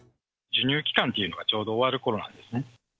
授乳期間というのがちょうど終わるころなんですね。